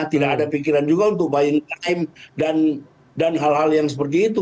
tidak ada pikiran juga untuk buying time dan hal hal yang seperti itu